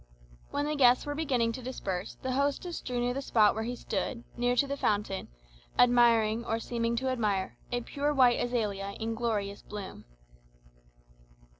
When the guests were beginning to disperse, the hostess drew near the spot where he stood, near to the fountain, admiring, or seeming to admire, a pure white azalia in glorious bloom.